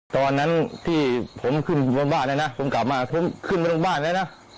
ตอนนั้นที่ผมขึ้นบนบ้านนะนะผมกลับมาผมขึ้นไปลงบ้านแล้วนะ